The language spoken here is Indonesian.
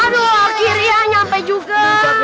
aduh akhirnya nyampe juga